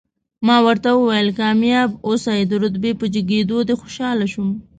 ما ورته وویل، کامیاب اوسئ، د رتبې په جګېدو دې خوشاله شوم.